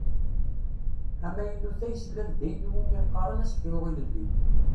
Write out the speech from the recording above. Amaynut-a yeslal-d ayen i wumi qqaren asefru ilelli.